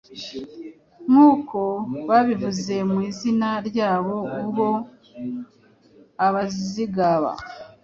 nk’uko babivuze mu izina ryabo ubwo Abazigaba